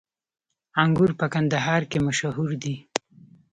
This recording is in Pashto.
انګور په کندهار کې مشهور دي